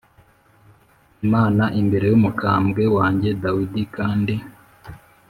Imana imbere y umukambwe wanjye dawidi kandi